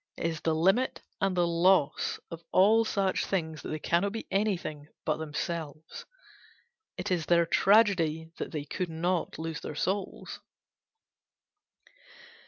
It is the limit and the loss of all such things that they cannot be anything but themselves: it is their tragedy that they could not lose their souls.